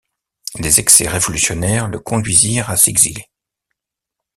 Les excès révolutionnaires le conduisirent à s’exiler.